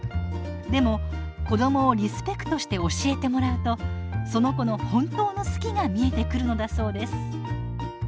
でも子どもをリスペクトして教えてもらうとその子の本当の「好き」が見えてくるのだそうです。